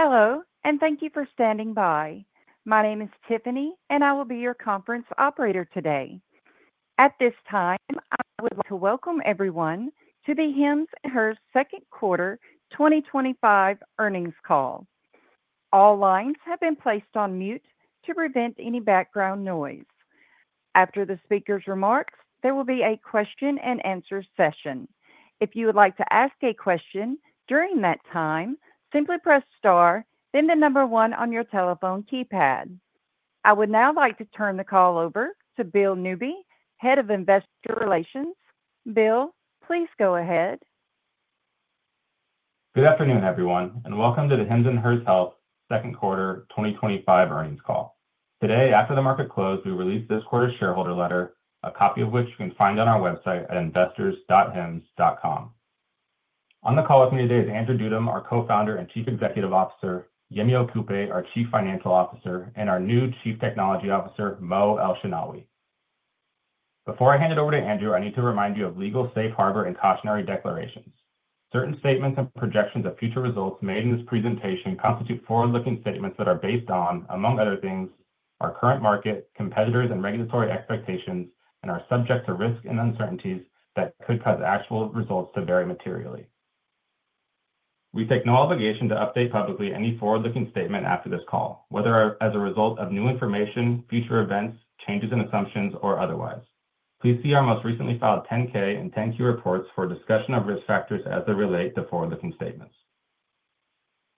Hello, and thank you for standing by. My name is Tiffany, and I will be your conference operator today. At this time, I would like to welcome everyone to the Hems and Hers Second Quarter twenty twenty five Earnings Call. All lines have been placed on mute to prevent any background noise. After the speakers' remarks, there will be a question and answer session. I would now like to turn the call over to Bill Newby, Head of Investor Relations. Bill, please go ahead. Good afternoon, everyone, and welcome to the HIMMS and Hers Health second quarter twenty twenty five earnings call. Today, after the market closed, we released this quarter's shareholder letter, a copy of which you can find on our website at investors.hems.com. On the call with me today is Andrew Dudem, our Co Founder and Chief Executive Officer Yemio Koupe, our Chief Financial Officer and our new Chief Technology Officer, Mo Elshinawi. Before I hand it over to Andrew, I need to remind you of legal Safe Harbor and cautionary declarations. Certain statements and projections of future results made in this presentation constitute forward looking statements that are based on, among other things, our current market, competitors and regulatory expectations and are subject to risks and uncertainties that could cause actual results to vary materially. We take no obligation to update publicly any forward looking statement after this call, whether as a result of new information, future events, changes in assumptions or otherwise. Please see our most recently filed 10 ks and 10 Q reports for a discussion of risk factors as they relate to forward looking statements.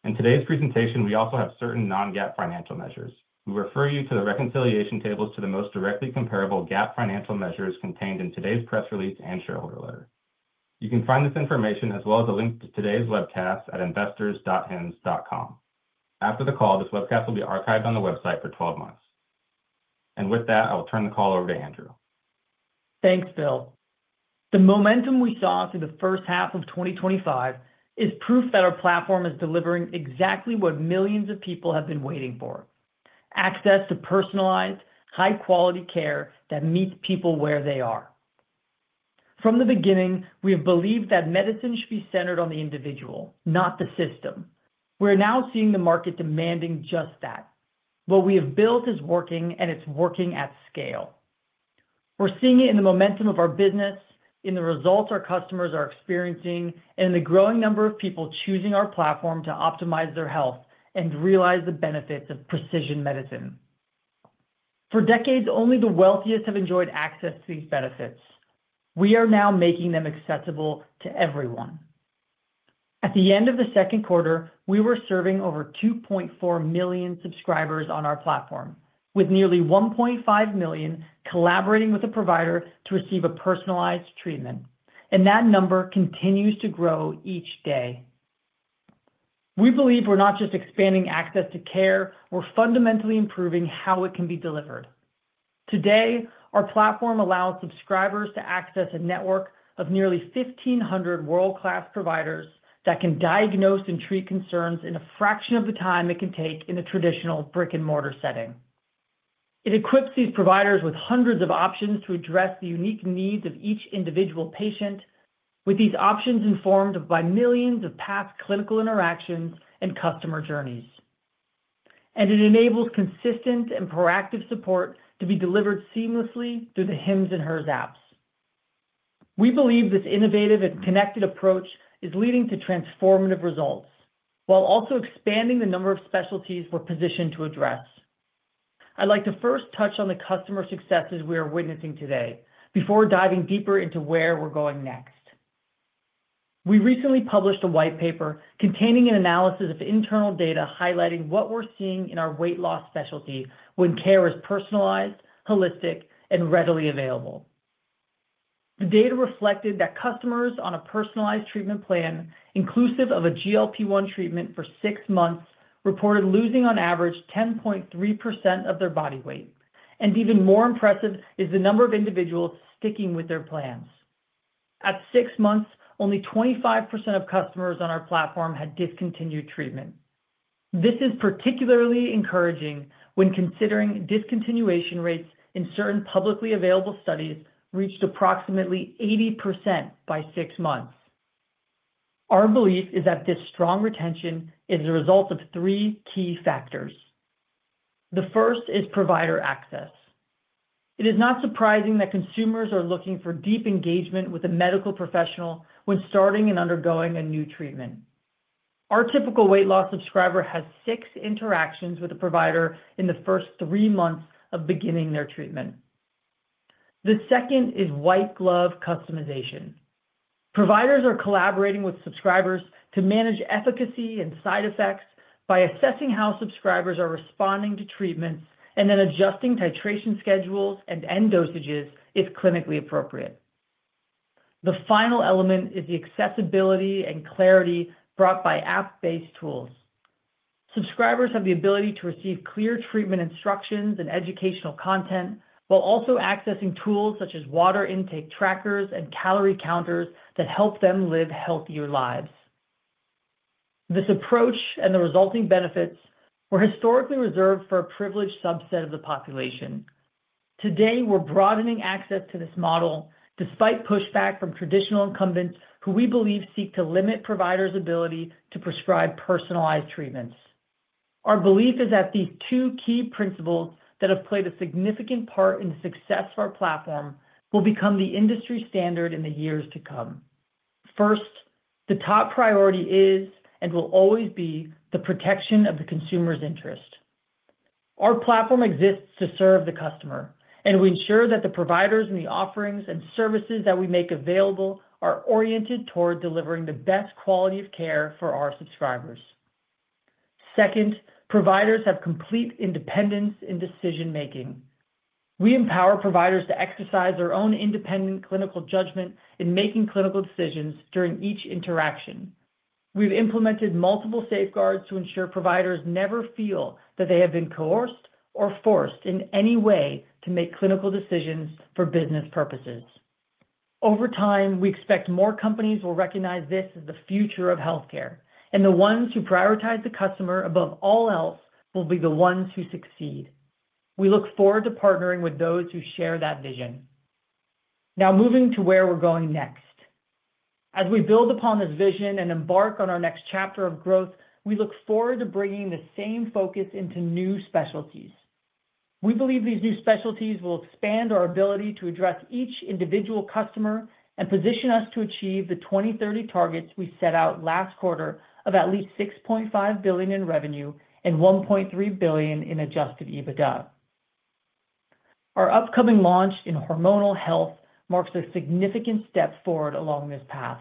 In today's presentation, we also have certain non GAAP financial measures. We refer you to the reconciliation tables to the most directly comparable GAAP financial measure contained in today's press release and shareholder letter. You can find this information as well as a link to today's webcast at investors.hens.com. After the call, this webcast will be archived on the website for twelve months. And with that, I will turn the call over to Andrew. Thanks, Bill. The momentum we saw through the 2025 is proof that our platform is delivering exactly what millions of people have been waiting for, access to personalized, high quality care that meets people where they are. From the beginning, we have believed that medicine should be centered on the individual, not the system. We're now seeing the market demanding just that. What we have built is working, and it's working at scale. We're seeing it in the momentum of our business, in the results our customers are experiencing, and the growing number of people choosing our platform to optimize their health and realize the benefits of precision medicine. For decades, only the wealthiest have enjoyed access to these benefits. We are now making them accessible to everyone. At the end of the second quarter, we were serving over 2,400,000 subscribers on our platform, with nearly 1,500,000 collaborating with a provider to receive a personalized treatment, and that number continues to grow each day. We believe we're not just expanding access to care, we're fundamentally improving how it can be delivered. Today, our platform allows subscribers to access a network of nearly 1,500 world class providers that can diagnose and treat concerns in a fraction of the time it can take in a traditional brick and mortar setting. It equips these providers with hundreds of options to address the unique needs of each individual patient with these options informed by millions of past clinical interactions and customer journeys, and it enables consistent and proactive support to be delivered seamlessly through the HIMS and HRS apps. We believe this innovative and connected approach is leading to transformative results while also expanding the number of specialties we're positioned to address. I'd like to first touch on the customer successes we are witnessing today before diving deeper into where we're going next. We recently published a white paper containing an analysis of internal data highlighting what we're seeing in our weight loss specialty when care is personalized, holistic, and readily available. The data reflected that customers on a personalized treatment plan inclusive of a GLP one treatment for six months reported losing on average 10.3% of their body weight, and even more impressive is the number of individuals sticking with their plans. At six months, only 25 of customers on our platform had discontinued treatment. This is particularly encouraging when considering discontinuation rates in certain publicly available studies reached approximately eighty percent by six months. Our belief is that this strong retention is a result of three key factors. The first is provider access. It is not surprising that consumers are looking for deep engagement with a medical professional when starting and undergoing a new treatment. Our typical weight loss subscriber has six interactions with a provider in the first three months of beginning their treatment. The second is white glove customization. Providers are collaborating with subscribers to manage efficacy and side effects by assessing how subscribers are responding to treatments and then adjusting titration schedules and end dosages if clinically appropriate. The final element is the accessibility and clarity brought by app based tools. Subscribers have the ability to receive clear treatment instructions and educational content while also accessing tools such as water intake trackers and calorie counters that help them live healthier lives. This approach and the resulting benefits were historically reserved for a privileged subset of the population. Today, we're broadening access to this model despite pushback from traditional incumbents who we believe seek to limit providers' ability to prescribe personalized treatments. Our belief is that the two key principles that have played a significant part in the success of our platform will become the industry standard in the years to come. First, the top priority is and will always be the protection of the consumer's interest. Our platform exists to serve the customer, and we ensure that the providers and the offerings and services that we make available are oriented toward delivering the best quality of care for our subscribers. Second, providers have complete independence in decision making. We empower providers to exercise their own independent clinical judgment in making clinical decisions during each interaction. We've implemented multiple safeguards to ensure providers never feel that they have been coerced or forced in any way to make clinical decisions for business purposes. Over time, we expect more companies will recognize this as the future of health care, and the ones who prioritize the customer above all else will be the ones who succeed. We look forward to partnering with those who share that vision. Now moving to where we're going next. As we build upon this vision and embark on our next chapter of growth, we look forward to bringing the same focus into new specialties. We believe these new specialties will expand our ability to address each individual customer and position us to achieve the 2,030 targets we set out last quarter of at least 6,500,000,000 in revenue and 1,300,000,000.0 in adjusted EBITDA. Our upcoming launch in hormonal health marks a significant step forward along this path.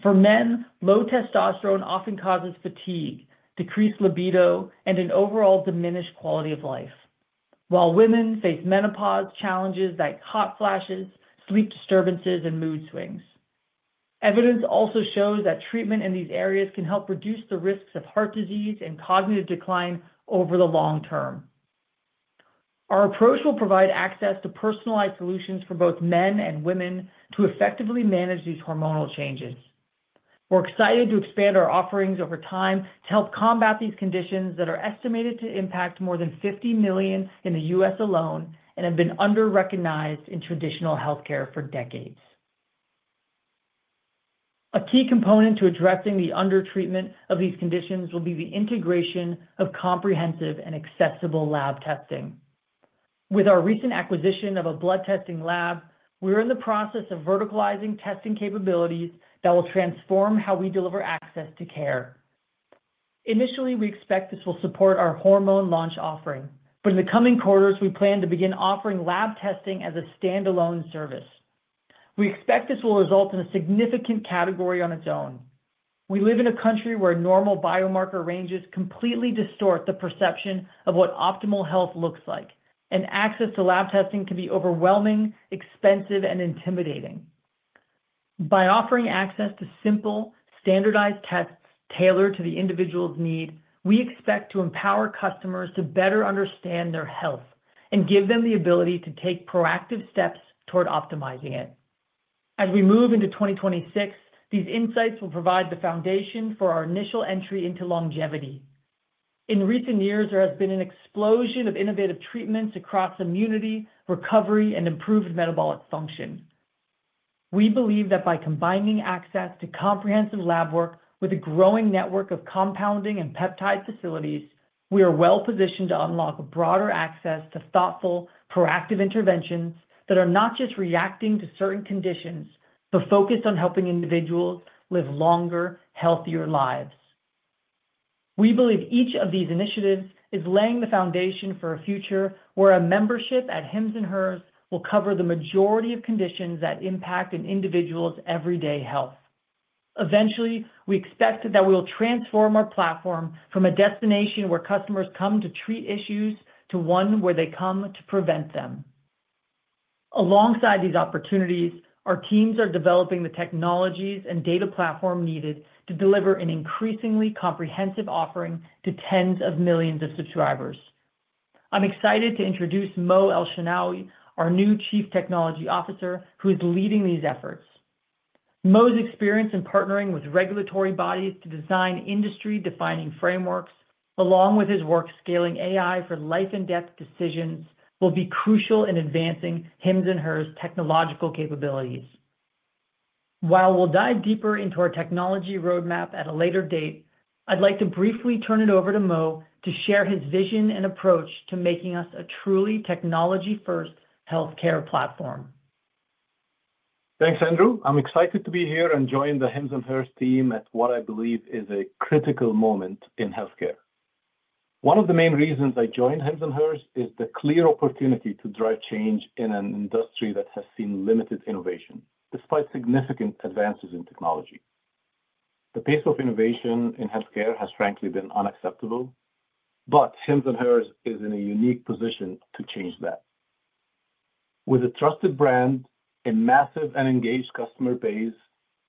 For men, low testosterone often causes fatigue, decreased libido, and an overall diminished quality of life, while women face menopause challenges like hot flashes, sleep disturbances, and mood swings. Evidence also shows that treatment in these areas can help reduce the risks of heart disease and cognitive decline over the long term. Our approach will provide access to personalized solutions for both men and women to effectively manage these hormonal changes. We're excited to expand our offerings over time to help combat these conditions that are estimated to impact more than fifty million in The US alone and have been under recognized in traditional health care for decades. A key component to addressing the undertreatment of these conditions will be the integration of comprehensive and accessible lab testing. With our recent acquisition of a blood testing lab, we're in the process of verticalizing testing capabilities that will transform how we deliver access to care. Initially, we expect this will support our hormone launch offering. For the coming quarters, we plan to begin offering lab testing as a stand alone service. We expect this will result in a significant category on its own. We live in a country where normal biomarker ranges completely distort the perception of what optimal health looks like, and access to lab testing can be overwhelming, expensive, and intimidating. By offering access to simple, standardized tests tailored to the individual's need, we expect to empower customers to better understand their health and give them the ability to take proactive steps toward optimizing it. As we move into 2026, these insights will provide the foundation for our initial entry into longevity. In recent years, there has been an explosion of innovative treatments across immunity, recovery, and improved metabolic function. We believe that by combining access to comprehensive lab work with a growing network of compounding and peptide facilities, we are well positioned to unlock a broader access to thoughtful, proactive interventions that are not just reacting to certain conditions, but focused on helping individuals live longer, healthier lives. We believe each of these initiatives is laying the foundation for a future where a membership at Hims and Hers will cover the majority of conditions that impact an individual's everyday health. Eventually, we expect that we will transform our platform from a destination where customers come to treat issues to one where they come to prevent them. Alongside these opportunities, our teams are developing the technologies and data platform needed to deliver an increasingly comprehensive offering to tens of millions of subscribers. I'm excited to introduce Moe Elchanawi, our new chief technology officer, who is leading these efforts. Moe's experience in partnering with regulatory bodies to design industry defining frameworks, along with his work scaling AI for life and death decisions, will be crucial in advancing him's and hers technological capabilities. While we'll dive deeper into our technology roadmap at a later date, I'd like to briefly turn it over to Moe to share his vision and approach to making us a truly technology first health care platform. Thanks, Andrew. I'm excited to be here and join the Hems and Hers team at what I believe is a critical moment in health care. One of the main reasons I joined Hems and Hers is the clear opportunity to drive change in an industry that has seen limited innovation despite significant advances in technology. The pace of innovation in health care has frankly been unacceptable, but Hims and Hers is in a unique position to change that. With a trusted brand, a massive and engaged customer base,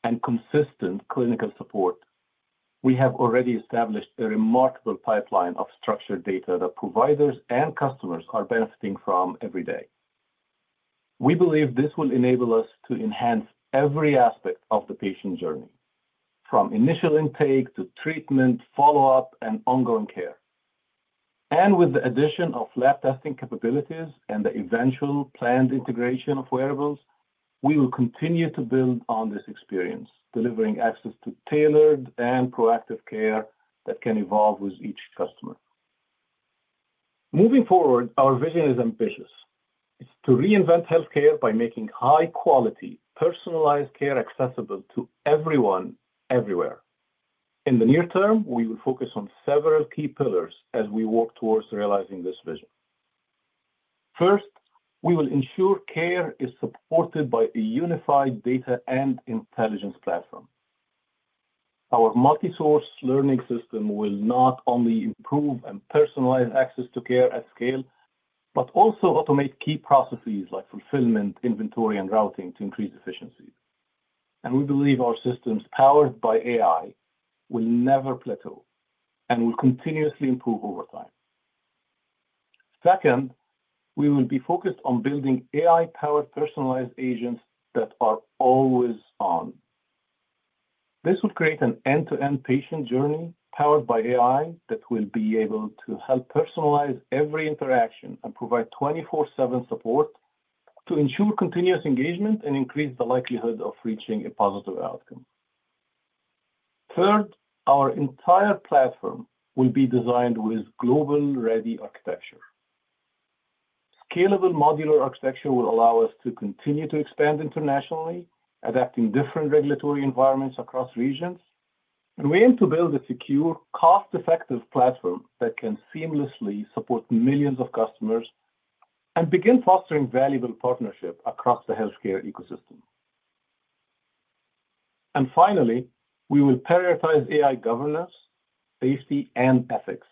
and consistent clinical support, we have already established a remarkable pipeline of structured data that providers and customers are benefiting from every day. We believe this will enable us to enhance every aspect of the patient journey from initial intake to treatment, follow-up, and ongoing care. And with the addition of lab testing capabilities and the eventual planned integration of wearables, we will continue to build on this experience, access to tailored and proactive care that can evolve with each customer. Moving forward, our vision is ambitious. It's to reinvent health care by making high quality personalized care accessible to everyone, everywhere. In the near term, we will focus on several key pillars as we walk towards realizing this vision. First, we will ensure care is supported by a unified data and intelligence platform. Our multi source learning system will not only improve and personalize access to care at scale, but also automate key processes like fulfillment, inventory, and routing to increase efficiency. And we believe our systems powered by AI will never plateau and will continuously improve over time. Second, we will be focused on building AI powered personalized agents that are always on. This would create an end to end patient journey powered by AI that will be able to help personalize every would interaction and provide twenty four seven support to ensure continuous engagement and increase the likelihood of reaching a positive outcome. Third, our entire platform will be designed with global ready architecture. Scalable modular architecture will allow us to continue to expand internationally, adapting different regulatory environments across regions, and we aim to build a secure cost effective platform that can seamlessly support millions of customers and begin fostering valuable partnership across the health care ecosystem. And finally, we will prioritize AI governance, safety, and ethics.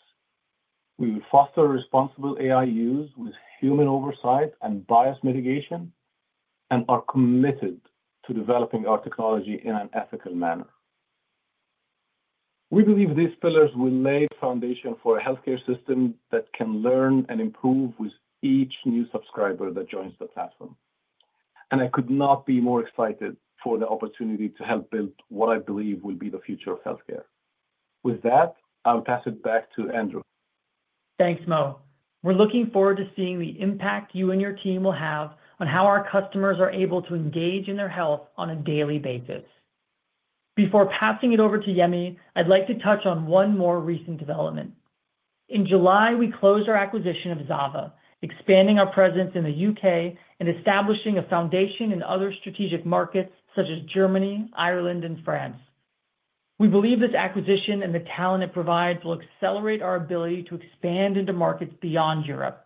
We will foster responsible AI use with human oversight and bias mitigation and are committed to developing our technology in an ethical manner. We believe these pillars will lay foundation for a health care system that can learn and improve with each new subscriber that joins the platform. And I could not be more excited for the opportunity to help build what I believe will be the future of health care. With that, I'll pass it back to Andrew. Thanks, Moe. We're looking forward to seeing the impact you and your team will have on how our customers are able to engage in their health on a daily basis. Before passing it over to Yemi, I'd like to touch on one more recent development. In July, we closed our acquisition of Zava, expanding our presence in The UK and establishing a foundation in other strategic markets such as Germany, Ireland, and France. We believe this acquisition and the talent it provides will accelerate our ability to expand into markets beyond Europe.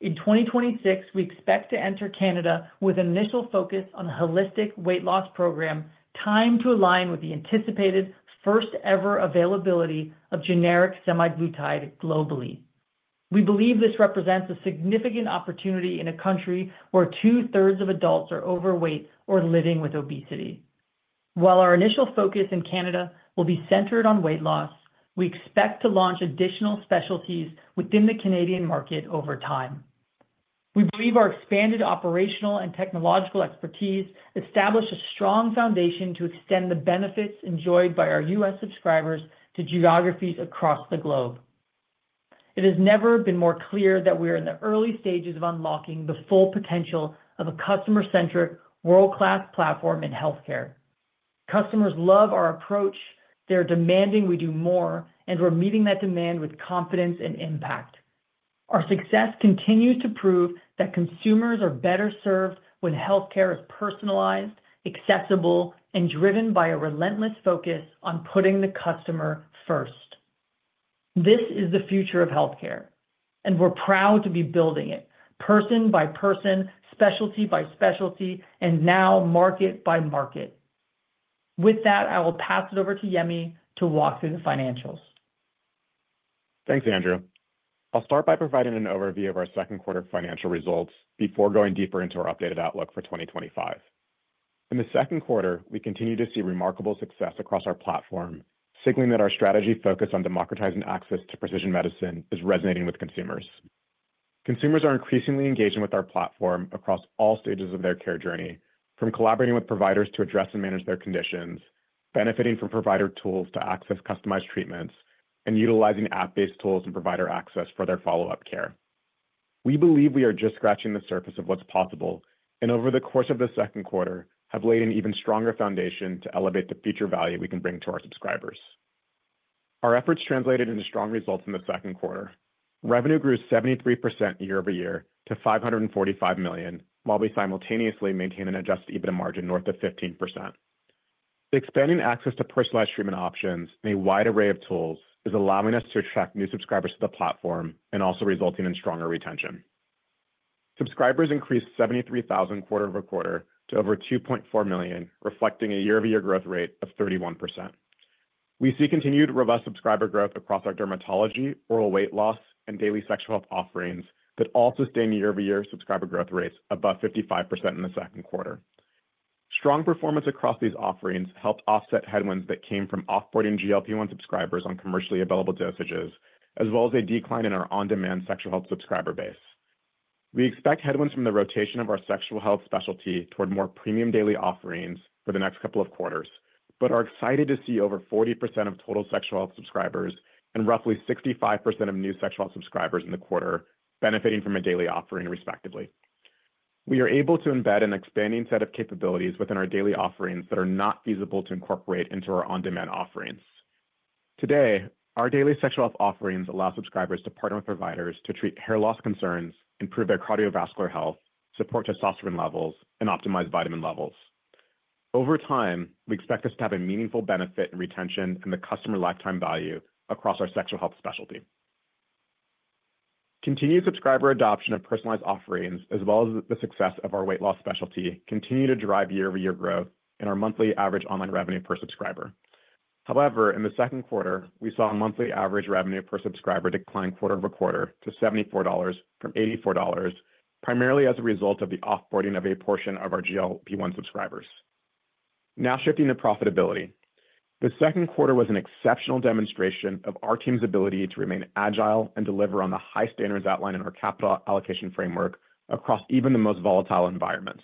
In 2026, we expect to enter Canada with initial focus on holistic weight loss program, time to align with the anticipated first ever availability of generic semaglutide globally. We believe this represents a significant opportunity in a country where two thirds of adults are overweight or living with obesity. While our initial focus in Canada will be centered on weight loss, we expect to launch additional specialties within the Canadian market over time. We believe our expanded operational and technological expertise establish a strong foundation to extend the benefits enjoyed by our US subscribers to geographies across the globe. It has never been more clear that we are in the early stages of unlocking the full potential of a customer centric world class platform in health care. Customers love our approach. They're demanding we do more, and we're meeting that demand with confidence and impact. Our success continues to prove that consumers are better served when health care is personalized, accessible, and driven by a relentless focus on putting the customer first. This is the future of health care, and we're proud to be building it person by person, specialty by specialty, and now market by market. With that, I will pass it over to Yemi to walk through the financials. Thanks, Andrew. I'll start by providing an overview of our second quarter financial results before going deeper into our updated outlook for 2025. In the second quarter, we continue to see remarkable success across our platform, signaling that our strategy focused on democratizing access to precision medicine is resonating with consumers. Consumers are increasingly engaging with our platform across all stages of their care journey from collaborating with providers to address and manage their conditions, benefiting from provider tools to access customized treatments, and utilizing app based tools and provider access for their follow-up care. We believe we are just scratching the surface of what's possible and over the course of the second quarter have laid an even stronger foundation to elevate the future value we can bring to our subscribers. Our efforts translated into strong results in the second quarter. Revenue grew 73% year over year to $545,000,000 while we simultaneously maintain an adjusted EBITDA margin north of 15%. Expanding access to personalized treatment options and a wide array of tools is allowing us to attract new subscribers to the platform and also resulting in stronger retention. Subscribers increased 73,000 quarter over quarter to over 2,400,000, reflecting a year over year growth rate of 31%. We see continued robust subscriber growth across our dermatology, oral weight loss, and daily sexual health offerings that all sustain year over year subscriber growth rates above 55% in the second quarter. Strong performance across these offerings helped offset headwinds that came from off boarding GLP-one subscribers on commercially available dosages as well as a decline in our on demand sexual health subscriber base. We expect headwinds from the rotation of our sexual health specialty toward more premium daily offerings for the next couple of quarters, but are excited to see over 40% of total sexual health subscribers and roughly 65% of new sexual subscribers in the quarter benefiting from a daily offering respectively. We are able to embed an expanding set of capabilities within our daily offerings that are not feasible to incorporate into our on demand offerings. Today, our daily sexual health offerings allow subscribers to partner with providers to treat hair loss concerns, improve their cardiovascular health, support testosterone levels, and optimize vitamin levels. Over time, we expect this to have a meaningful benefit in retention and the customer lifetime value across our sexual health specialty. Continued subscriber adoption of personalized offerings as well as the success of our weight loss specialty continue to drive year over year growth in our monthly average online revenue per subscriber. However, in the second quarter, we saw monthly average revenue per subscriber decline quarter over quarter to $74 from $84 primarily as a result of the off boarding of a portion of our GLP-one subscribers. Now shifting to profitability. The second quarter was an exceptional demonstration of our team's ability to remain agile and deliver on the high standards outlined in our capital allocation framework across even the most volatile environments.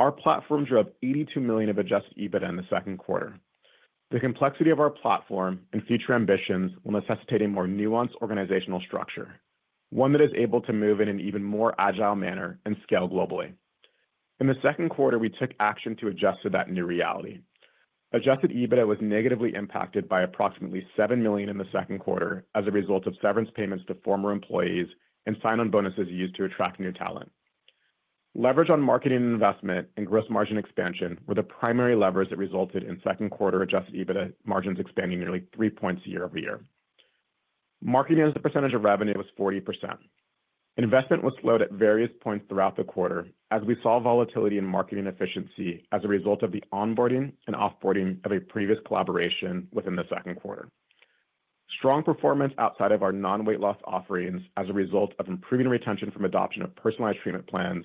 Our platforms are up $82,000,000 of adjusted EBITDA in the second quarter. The complexity of our platform and future ambitions will necessitate a more nuanced organizational structure, one that is able to move in an even more agile manner and scale globally. In the second quarter, we took action to adjust to that new reality. Adjusted EBITDA was negatively impacted by approximately $7,000,000 in the second quarter as a result of severance payments to former employees and sign on bonuses used to attract new talent. Leverage on marketing investment and gross margin expansion were the primary levers that resulted in second quarter adjusted EBITDA margins expanding nearly three points year over year. Marketing as a percentage of revenue was 40%. Investment was slowed at various points throughout the quarter as we saw volatility in marketing efficiency as a result of the onboarding and offboarding of a previous collaboration within the second quarter. Strong performance outside of our non weight loss offerings as a result of improving retention from adoption of personalized treatment plans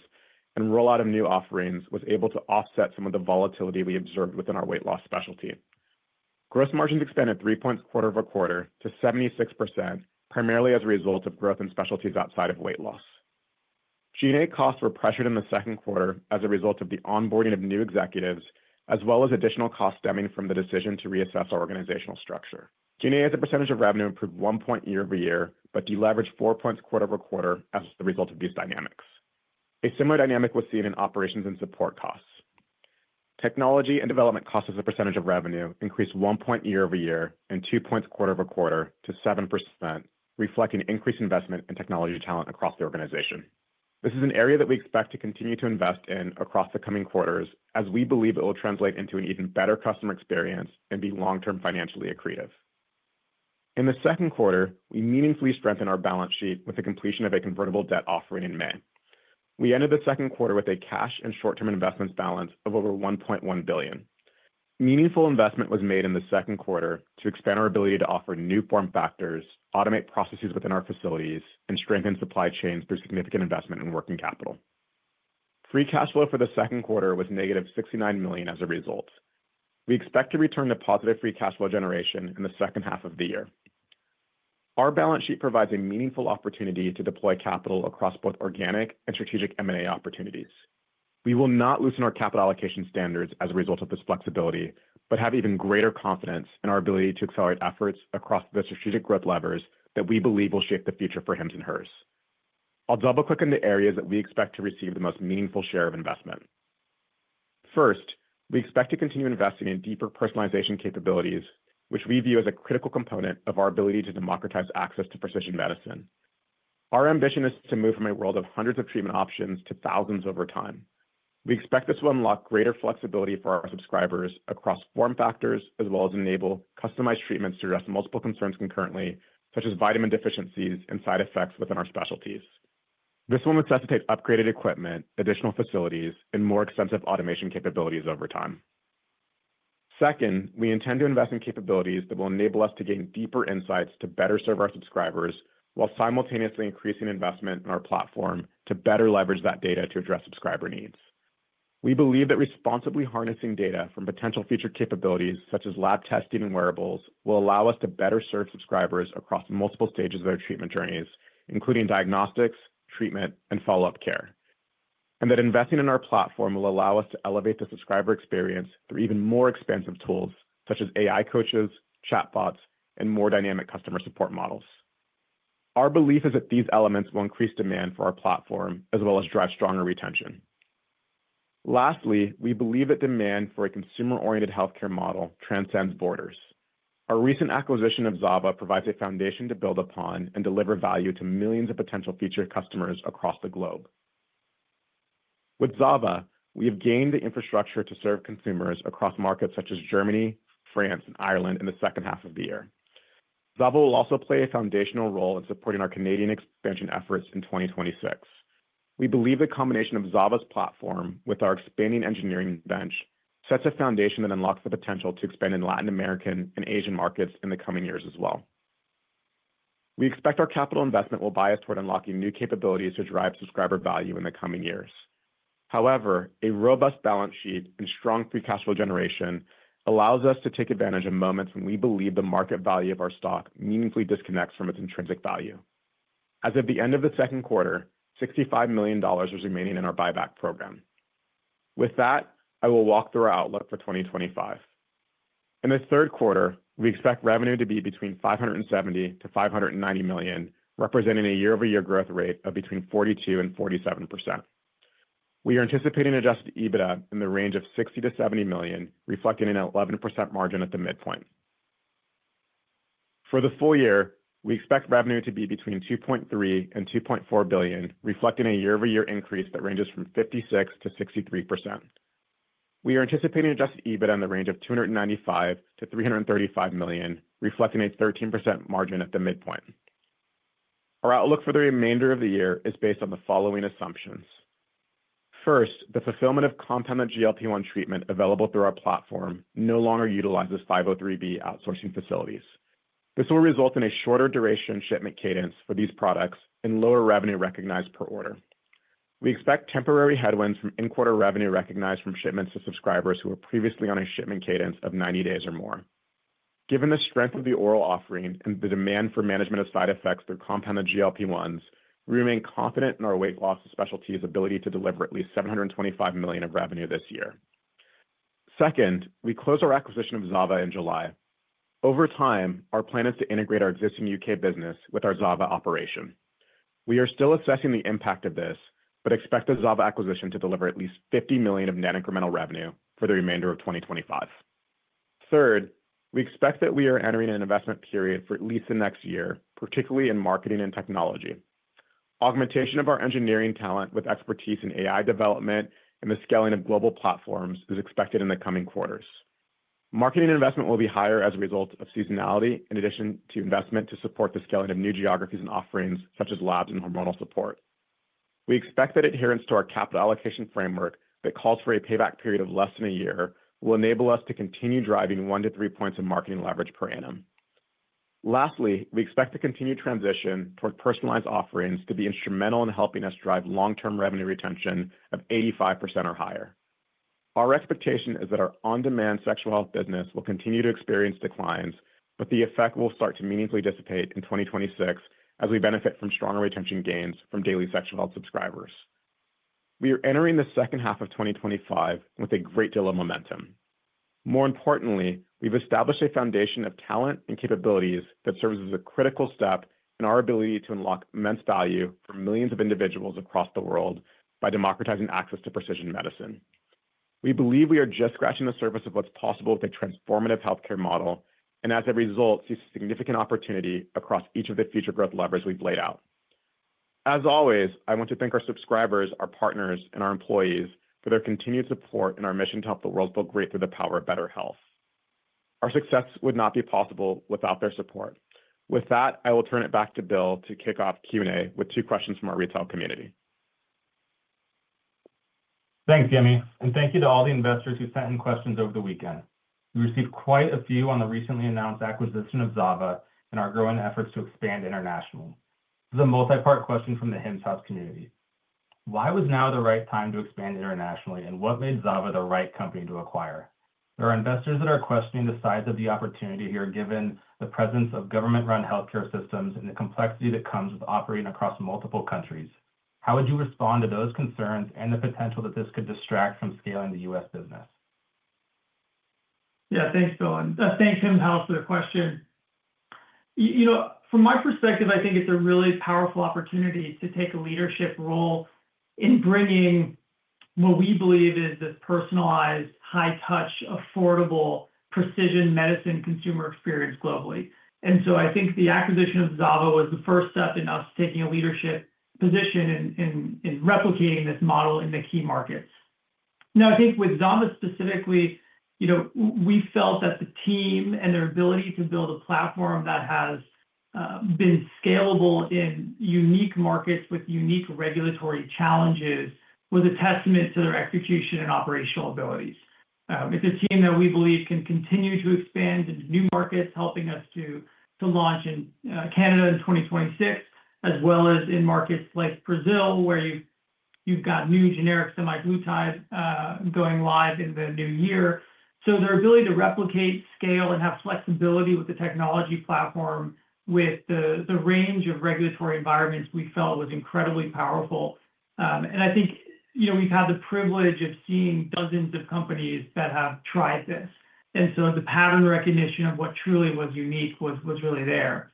and rollout of new offerings was able to offset some of the volatility we observed within our weight loss specialty. Gross margins extended three points quarter over quarter to 76% primarily as a result of growth in specialties outside of weight loss. G and A costs were pressured in the second quarter as a result of the onboarding of new executives as well as additional costs stemming from the decision to reassess our organizational structure. G and A as a percentage of revenue improved one point year over year, but deleveraged four points quarter over quarter as the result of these dynamics. A similar dynamic was seen in operations and support costs. Technology and development costs as a percentage of revenue increased one point year over year and two points quarter over quarter to 7%, reflecting increased investment in technology talent across the organization. This is an area that we expect to continue to invest in across the coming quarters as we believe it will translate into an even better customer experience and be long term financially accretive. In the second quarter, we meaningfully strengthened our balance sheet with the completion of a convertible debt offering in May. We ended the second quarter with a cash and short term investments balance of over $1,100,000,000 Meaningful investment was made in the second quarter to expand our ability to offer new form factors, automate processes within our facilities and strengthen supply chains through significant investment in working capital. Free cash flow for the second quarter was negative $69,000,000 as a result. We expect to return to positive free cash flow generation in the second half of the year. Our balance sheet provides a meaningful opportunity to deploy capital across both organic and strategic M and A opportunities. We will not loosen our capital allocation standards as a result of this flexibility, but have even greater confidence in our ability to accelerate efforts across the strategic growth levers that we believe will shape the future for HIMs and Hers. I'll double click in the areas that we expect to receive the most meaningful share of investment. First, we expect to continue investing in deeper personalization capabilities, which we view as a critical component of our ability to democratize access to precision medicine. Our ambition is to move from a world of hundreds of treatment options to thousands over time. We expect this will unlock greater flexibility for our subscribers across form factors as well as enable customized treatments to address multiple concerns concurrently, such as vitamin deficiencies and side effects within our specialties. This will necessitate upgraded equipment, additional facilities, and more extensive automation capabilities over time. Second, we intend to invest in capabilities that will enable us to gain deeper insights to better serve our subscribers while simultaneously increasing investment in our platform to better leverage that data to address subscriber needs. We believe that responsibly harnessing data from potential future capabilities such as lab testing and wearables will allow us to better serve subscribers across multiple stages of their treatment journeys, including diagnostics, treatment, and follow-up care, and that investing in our platform will allow us to elevate the subscriber experience through even more expensive tools such as AI coaches, chatbots, and more dynamic customer support models. Our belief is that these elements will increase demand for our platform as well as drive stronger retention. Lastly, we believe that demand for a consumer oriented health care model transcends borders. Our recent acquisition of Zava provides a foundation to build upon and deliver value to millions of potential future customers across the globe. With Zava, we have gained the infrastructure to serve consumers across markets such as Germany, France and Ireland in the second half of the year. Zava will also play a foundational role in supporting our Canadian expansion efforts in 2026. We believe the combination of Zava's platform with our expanding engineering bench sets a foundation that unlocks the potential to expand in Latin American and Asian markets in the coming years as well. We expect our capital investment will bias toward unlocking new capabilities to drive subscriber value in the coming years. However, a robust balance sheet and strong free cash flow generation allows us to take advantage of moments when we believe the market value of our stock meaningfully disconnects from its intrinsic value. As of the end of the second quarter, dollars 65,000,000 is remaining in our buyback program. With that, I will walk through our outlook for 2025. In the third quarter, we expect revenue to be between $570,000,000 to $590,000,000 representing a year over year growth rate of between 4247%. We are anticipating adjusted EBITDA in the range of 60,000,000 to $70,000,000 reflecting an 11% margin at the midpoint. For the full year, we expect revenue to be between $2,300,000,000 and $2,400,000,000 reflecting a year over year increase that ranges from 56% to 63%. We are anticipating adjusted EBITDA in the range of $295,000,000 to $335,000,000 reflecting a 13% margin at the midpoint. Our outlook for the remainder of the year is based on the following assumptions. First, the fulfillment of compounded GLP-one treatment available through our platform no longer utilizes 503B outsourcing facilities. This will result in a shorter duration shipment cadence for these products and lower revenue recognized per order. We expect temporary headwinds from in quarter revenue recognized from shipments to subscribers who were previously on a shipment cadence of ninety days or more. Given the strength of the oral offering and the demand for management of side effects through compounded GLP-1s, we remain confident in our weight loss specialty's ability to deliver at least $725,000,000 of revenue this year. Second, we closed our acquisition of XAVA in July. Over time, our plan is to integrate our existing U. K. Business with our XAVA operation. We are still assessing the impact of this, but expect the XAVA acquisition to deliver at least $50,000,000 of net incremental revenue for the remainder of 2025. Third, we expect that we are entering an investment period for at least the next year, particularly in marketing and technology. Augmentation of our engineering talent with expertise in AI development and the scaling of global platforms is expected in the coming quarters. Marketing investment will be higher as a result of seasonality in addition to investment to support the scaling of new geographies and offerings such as labs and hormonal support. We expect that adherence to our capital allocation framework that calls for a payback period of less than a year will enable us to continue driving one to three points of marketing leverage per annum. Lastly, we expect to continue transition toward personalized offerings to be instrumental in helping us drive long term revenue retention of 85% or higher. Our expectation is that our on demand sexual health business will continue to experience declines, but the effect will start to meaningfully dissipate in 2026 as we benefit from stronger retention gains from daily sexual health subscribers. We are entering the 2025 with a great deal of momentum. More importantly, we've established a foundation of talent and capabilities that serves as a critical step in our ability to unlock immense value for millions of individuals across the world by democratizing access to precision medicine. We believe we are just scratching the surface of what's possible with a transformative health care model and as a result, see significant opportunity across each of the future growth levers we've laid out. As always, I want to thank our subscribers, our partners, and our employees for their continued support and our mission to help the world build great through the power of better health. Our success would not be possible without their support. With that, I will turn it back to Bill to kick off Q and A with two questions from our retail community. Thanks, Jimmy, and thank you to all the investors who sent in questions over the weekend. We received quite a few on the recently announced acquisition of Zava and our growing efforts to expand internationally. The multipart question from the HemsHaus community, why was now the right time to expand internationally and what made Zava the right company to acquire? There are investors that are questioning the size of the opportunity here given the presence of government run health care systems and the complexity that comes with operating across multiple countries. How would you respond to those concerns and the potential that this could distract from scaling The U. S. Business? Yeah. Thanks, Bill. And thanks, Tim, Hal, for the question. You know, from my perspective, I think it's a really powerful opportunity to take a leadership role in bringing what we believe is this personalized, high touch, affordable, precision medicine consumer experience globally. And so I think the acquisition of Zava was the first step in us taking a leadership position in in in replicating this model in the key markets. Now I think with Zava specifically, you know, we felt that the team and their ability to build a platform that has been scalable in unique markets with unique regulatory challenges was a testament to their execution and operational abilities. It's a team that we believe can continue to expand into new markets, helping us to to launch in Canada in 2026 as well as in markets like Brazil where you you've got new generic semaglutide going live in the new year. So their ability to replicate scale and have flexibility with the technology platform with the the range of regulatory environments we felt was incredibly powerful. And I think, you know, we've had the privilege of seeing dozens of companies that have tried this. And so the pattern recognition of what truly was unique was was really there.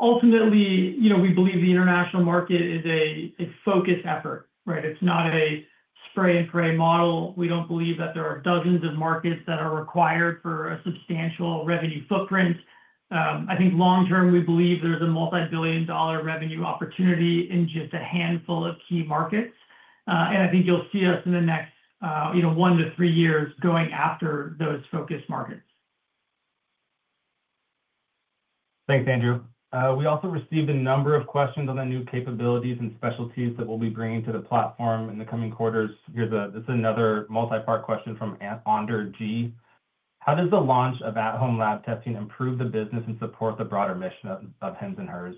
Ultimately, you know, we believe the international market is a is focused effort. Right? It's not a spray and pray model. We don't believe that there are dozens of markets that are required for a substantial revenue footprint. I think long term, we believe there's a multibillion dollar revenue opportunity in just a handful of key markets, and I think you'll see us in the next, you know, one to three years going after those focused markets. Thanks, Andrew. We also received a number of questions on the new capabilities and specialties that we'll be bringing to the platform in the coming quarters. Here's a this is another multipart question from under g. How does the launch of at home lab testing improve the business and support the broader mission of of Hens and Hers?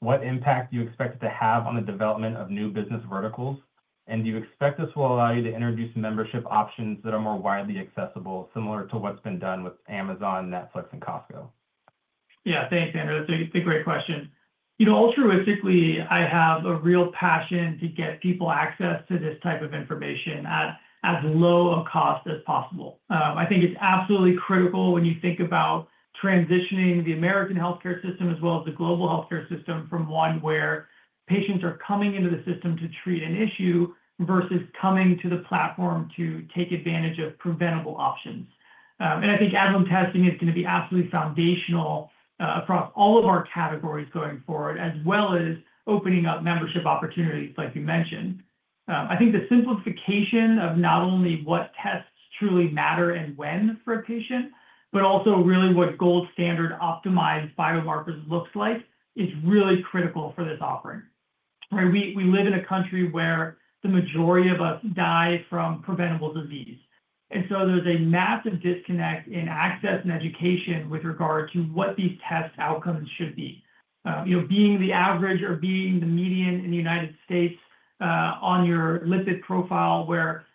What impact do you expect it to have on the development of new business verticals? And do you expect this will allow you to introduce membership options that are more widely accessible similar to what's been done with Amazon, Netflix, and Costco? Yeah. Thanks, Andrew. It's a it's a great question. You know, altruistically, I have a real passion to get people access to this type of information at as low a cost as possible. I think it's absolutely critical when you think about transitioning the American health care system as well as the global health care system from one where patients are coming into the system to treat an issue versus coming to the platform to take advantage of preventable options. And I think asthma testing is gonna be absolutely foundational across all of our categories going forward as well as opening up membership opportunities like you mentioned. I think the simplification of not only what tests truly matter and when for a patient, but also really what gold standard optimized biomarkers looks like is really critical for this offering. Right? We we live in a country where the majority of us die from preventable disease. And so there's a massive disconnect in access and education with regard to what these test outcomes should be. You know, being the average or being the median in The United States on your lipid profile where,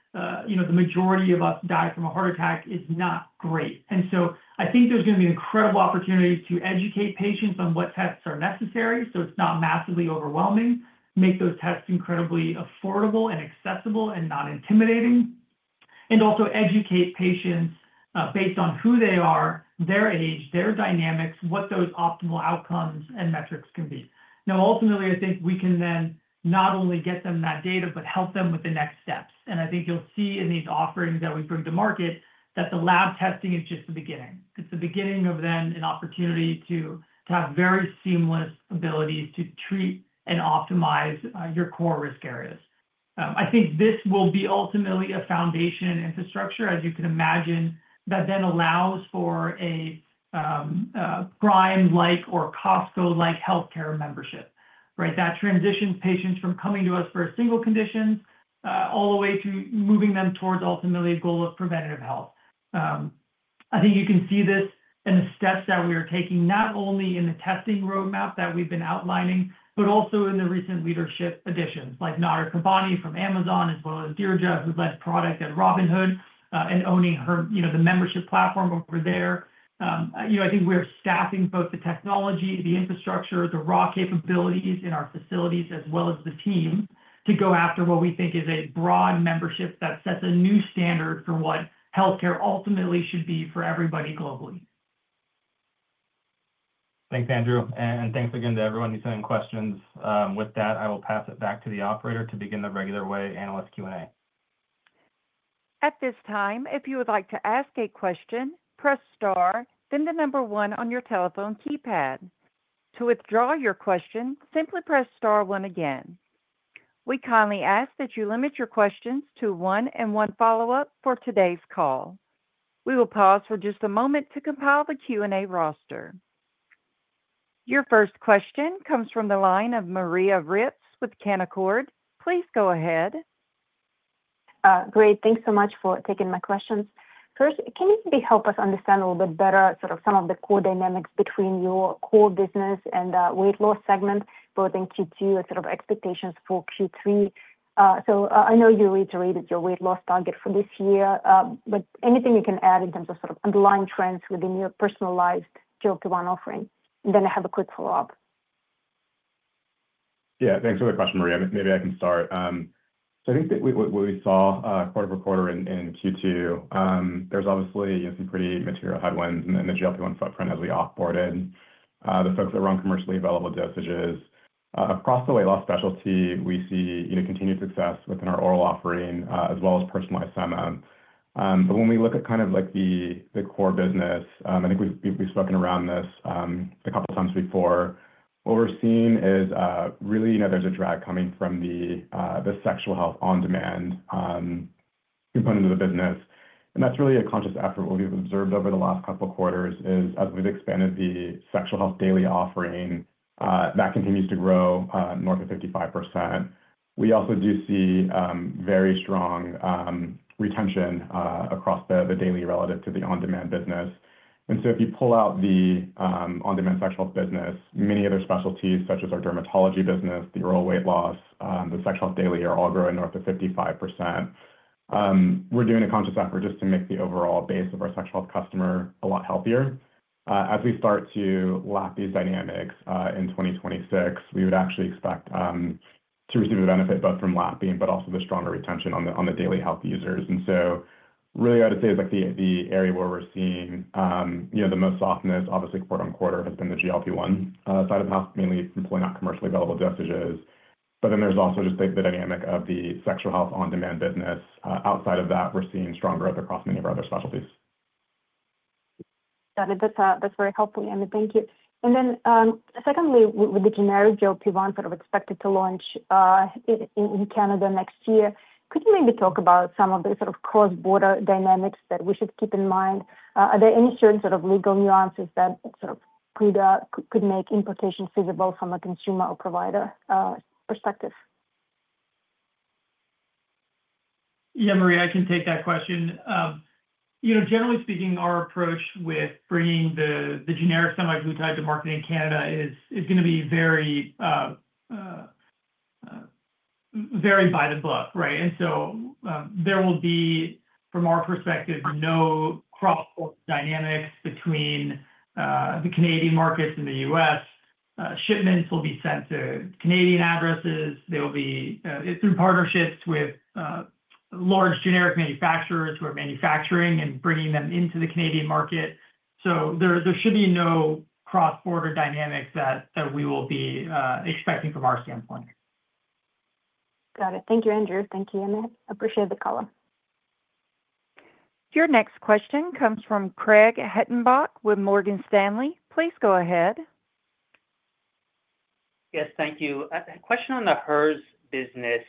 you know, the majority of us die from a heart attack is not great. And so I think there's gonna be incredible opportunities to educate patients on what tests are necessary so it's not massively overwhelming, make those tests incredibly affordable and accessible and not intimidating, and also educate patients based on who they are, their age, their dynamics, what those optimal outcomes and metrics can be. Now, ultimately, I think we can then not only get them that data, but help them with the next steps. And I think you'll see in these offerings that we bring to market that the lab testing is just the beginning. It's the beginning of them an opportunity to to have very seamless ability to treat and optimize your core risk areas. I think this will be ultimately a foundation infrastructure, as you can imagine, that then allows for a Grime like or Costco like health care membership. Right? That transitions patients from coming to us for a single condition all the way through moving them towards ultimately a goal of preventative health. I think you can see this in the steps that we are taking not only in the testing road map that we've been outlining, but also in the recent leadership additions, like Narek Kavani from Amazon as well as Dheeraj, who led product at Robinhood and owning her you know, the membership platform over there. You know, I think we're staffing both technology, the infrastructure, the raw capabilities in our facilities as well as the team to go after what we think is a broad membership that sets a new standard for what health care ultimately should be for everybody globally. Thanks, Andrew, and thanks again to everyone who sent in questions. With that, I will pass it back to the operator to begin the regular way analyst Q and A. Your first question comes from the line of Maria Ripps with Canaccord. Please go ahead. Great. Thanks so much for taking my questions. First, can you maybe help us understand a little bit better sort of some of the core dynamics between your core business and, weight loss segment both in Q2 and sort of expectations for Q3? So I know you reiterated your weight loss target for this year, but anything you can add in terms of sort of underlying trends within your personalized GLP-one offering? And then I have a quick follow-up. Yes. Thanks for the question, Maria. Maybe I can start. So I think that what we saw quarter over quarter in Q2, there's obviously some pretty material headwinds in the GLP-one footprint as we off boarded, the folks that run commercially available dosages. Across the weight loss specialty, we see continued success within our oral offering, as well as personalized sema. But when we look at kind of, like, the the core business, I think we've we've spoken around this, a couple of times before. What we're seeing is, really, you know, there's a drag coming from the, the sexual health on demand component of the business. And that's really a conscious effort. What we've observed over the last couple of quarters is as we've expanded the sexual health daily offering, that continues to grow, north of 55%. We also do see very strong retention across the the daily relative to the on demand business. And so if you pull out the on demand sexual business, many other specialties such as our dermatology business, the oral weight loss, the sexual daily are all growing north of 55%. We're doing a conscious effort just to make the overall base of our sexual customer a lot healthier. As we start to lap these dynamics, in 2026, we would actually expect to receive a benefit both from lapping, but also the stronger retention on the on the daily health users. And so really, I would say is, like, the the area where we're seeing, you know, the most softness, obviously, quarter on quarter has been the GLP one, side of the house, mainly employing our commercially available dosages. But then there's also just the dynamic of the sexual health on demand business. Outside of that, we're seeing strong growth across many of our other specialties. Got it. That's very helpful, Amy. Thank you. And then secondly, with the generic GLP-one sort of expected to launch in Canada next year, could you maybe talk about some of the sort of cross border dynamics that we should keep in mind? Are there any sort of legal nuances that sort of could make implications feasible from a consumer or provider perspective? Yeah. Marie, I can take that question. You know, generally speaking, our approach with bringing the the generic semaglutide to marketing in Canada is is gonna be very very by the book. Right? And so there will be, from our perspective, no cross port dynamics between the Canadian markets and The US. Shipments will be sent to Canadian addresses. They will be it's in partnerships with large generic manufacturers who are manufacturing and bringing them into the Canadian market. So there there should be no cross border dynamics that we will be expecting from our standpoint. Got it. Thank you, Andrew. Thank you, Amit. Appreciate the color. Your next question comes from Craig Hettenbach with Morgan Stanley. Please go ahead. Yes, thank you. A question on the HERS business,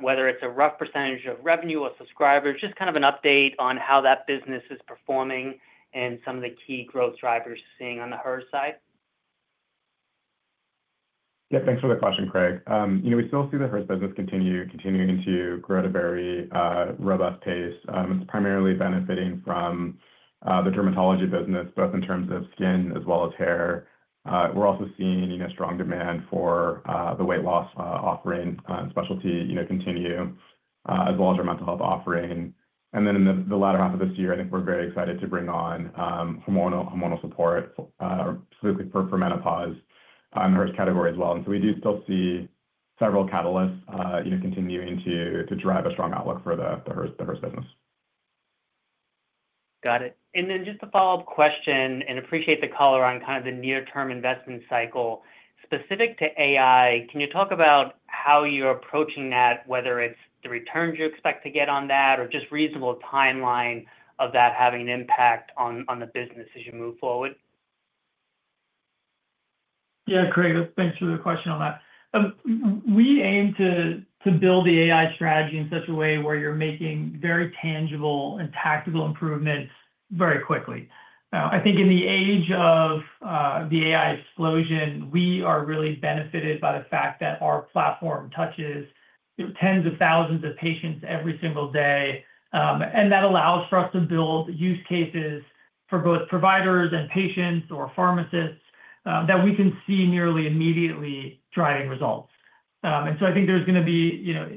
whether it's a rough percentage of revenue or subscribers, just kind of an update on how that business is performing and some of the key growth drivers you're seeing on the HERS side? Yeah. Thanks for the question, Craig. You know, we still see the HER business continue continuing to grow at a very, robust pace. It's primarily benefiting from, the dermatology business, both in terms of skin as well as hair. We're also seeing, you know, strong demand for, the weight loss offering specialty, you know, continue, as well as our mental health offering. And then in the latter half of this year, I think we're very excited to bring on, hormonal hormonal support, specifically for for menopause on HERS category as well. And so we do still see several catalysts, continuing to drive a strong outlook for the HERS business. Got it. And then just a follow-up question and appreciate the color on kind of the near term investment cycle. Specific to AI, can you talk about how you're approaching that, whether it's the returns you expect to get on that or just reasonable time line of that having an impact on the business as you move forward? Yeah. Craig, thanks for the question on that. We aim to to build the AI strategy in such a way where you're making very tangible and tactical improvements very quickly. I think in the age of the AI explosion, we are really benefited by the fact that our platform touches tens of thousands of patients every single day, and that allows for us to build use cases for both providers and patients or pharmacists that we can see nearly immediately driving results. And so I think there's gonna be, you know,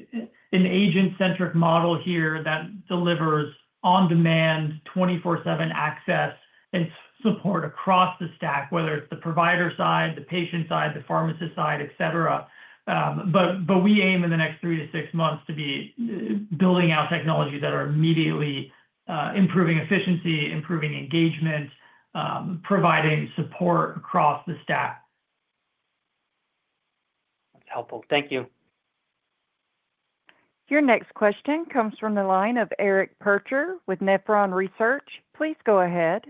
an agent centric model here that delivers on demand twenty four seven access and support across the stack, whether it's the provider side, the patient side, the pharmacist side, etcetera. But but we aim in the next three to six months to be building out technologies that are immediately improving efficiency, improving engagement, providing support across the stack. Helpful. Thank you. Your next question comes from the line of Eric Percher with Nephron Research. Please go ahead.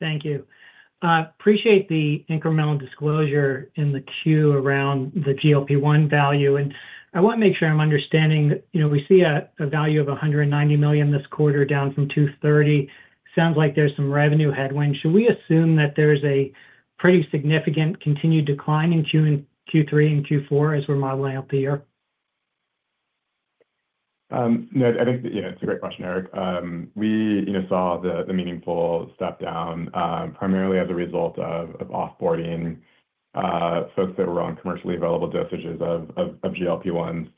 Thank you. Appreciate the incremental disclosure in the queue around the GLP-one value. And I want to make sure I'm understanding that we see a value of $190,000,000 this quarter down from $230,000,000 It sounds like there's some revenue headwind. Should we assume that there's a pretty significant continued decline in Q3 and Q4 as we're modeling out the year? No. I think yeah. It's a great question, Eric. We, you know, saw the the meaningful step down, primarily as a result of of offboarding, folks that were on commercially available dosages of of of GLP ones.